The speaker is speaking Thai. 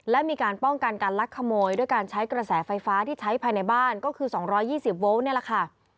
และมีการป้องกันการลักขโมยด้วยการใช้กระแสไฟฟ้าที่ใช้ภายในบ้านก็คือ๒๒๐โวลต์นี่แหละค่ะ